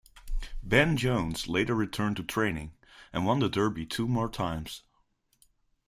Ben Jones later returned to training and won the Derby two more times.